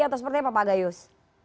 atau seperti apa pak gayus